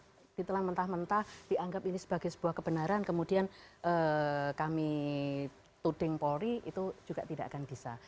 kalau ditelan mentah mentah dianggap ini sebagai sebuah kebenaran kemudian kami tuding polri itu juga tidak akan bisa